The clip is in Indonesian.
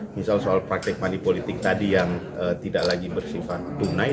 misal soal praktek manipolitik tadi yang tidak lagi bersifat tunai